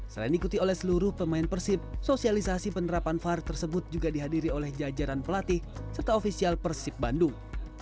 selain diikuti oleh seluruh pemain persib sosialisasi penerapan var tersebut juga dihadiri oleh jajaran pelatih serta ofisial persib bandung